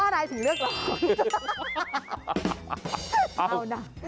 พ่อนายถึงเลือกร้อง